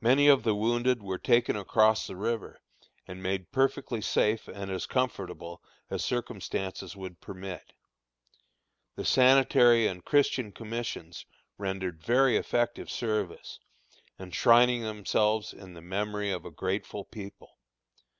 Many of the wounded were taken across the river, and made perfectly safe and as comfortable as circumstances would permit. The Sanitary and Christian Commissions rendered very effective service, enshrining themselves in the memory of a grateful people.